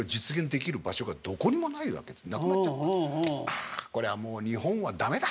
あこりゃもう日本は駄目だ。